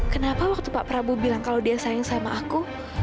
kenapa waktu pak prabowo bilang kalau dia sayang sama aku